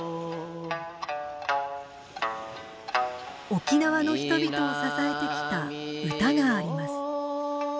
沖縄の人々を支えてきた唄があります。